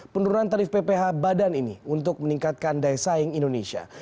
penurunan tarif pph badan ini untuk meningkatkan daya saing indonesia